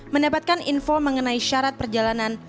mendapatkan info mengenai syarat perjalanan